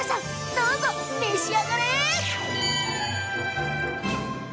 どうぞ、召し上がれ！